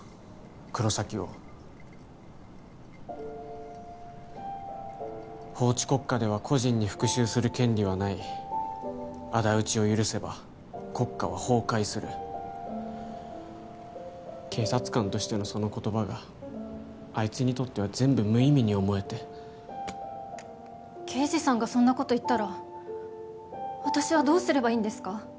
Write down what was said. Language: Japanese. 黒崎を法治国家では個人に復讐する権利はない仇討ちを許せば国家は崩壊する警察官としてのその言葉があいつにとっては全部無意味に思えて刑事さんがそんなこと言ったら私はどうすればいいんですか？